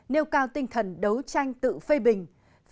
nêu cao tinh thần đấu tranh tự phê bình